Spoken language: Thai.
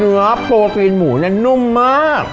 เนื้อโปรตีนหมูเนี่ยนุ่มมาก